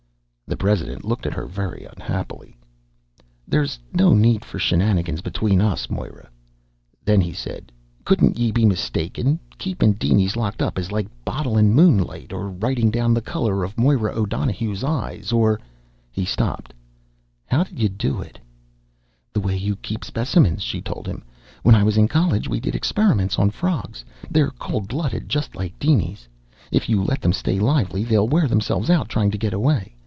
The president looked at her very unhappily. "There's no need for shenanigans between us, Moira!" Then he said: "Couldn't ye be mistaken? Keepin' dinies locked up is like bottlin' moonlight or writin' down the color of Moira O'Donohue's eyes or " He stopped. "How did ye do it?" "The way you keep specimens," she told him. "When I was in college we did experiments on frogs. They're cold blooded just like dinies. If you let them stay lively, they'll wear themselves out trying to get away.